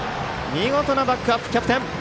見事なバックアップキャプテン！